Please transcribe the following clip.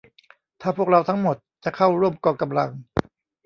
ถ้าพวกเราทั้งหมดจะเข้าร่วมกองกำลัง